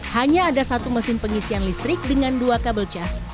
hanya ada satu mesin pengisian listrik dengan dua kabel cas